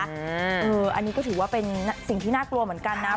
อันนี้ก็ถือว่าเป็นสิ่งที่น่ากลัวเหมือนกันนะ